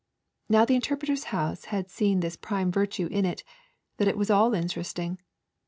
Now, the Interpreter's House had this prime virtue in it, that it was all interesting.